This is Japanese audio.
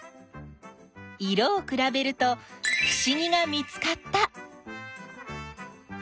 色をくらべるとふしぎが見つかった！